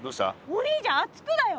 お兄ちゃん熱くだよ。